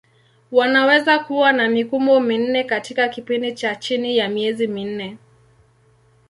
Wanaweza kuwa na mikumbo minne katika kipindi cha chini ya miezi minne.